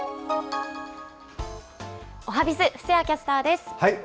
おはＢｉｚ、布施谷キャスターです。